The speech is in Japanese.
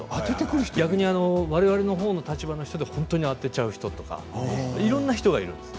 逆に我々の方の立場の人で本当に当てちゃうとか、いろいろな人がいるんです。